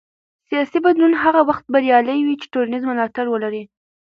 سیاسي بدلون هغه وخت بریالی وي چې ټولنیز ملاتړ ولري